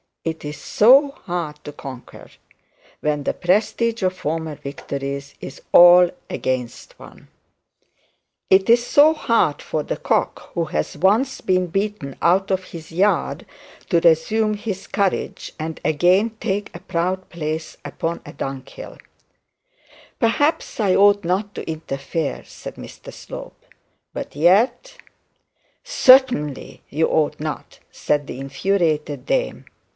It is so hard to conquer when the prestige of the former victories is all against one. It is so hard for the cock who has once been beaten out of his yard to resume his courage and again take a proud place upon a dunghill. 'Perhaps I ought not to interfere,' said Mr Slope, 'but yet ' 'Certainly you ought not,' said the infuriated dame.